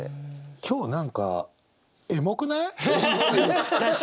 今日何かエモくない！？